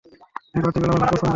এই পার্টিগুলো আমার খুব পছন্দের।